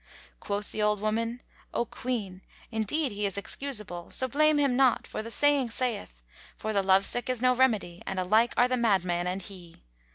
Quoth the old woman, "O Queen, indeed he is excusable; so blame him not, for the saying saith, 'For the lovesick is no remedy and alike are the madman and he.'"